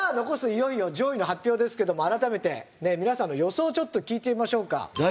いよいよ上位の発表ですけども改めてね皆さんの予想をちょっと聞いてみましょうか。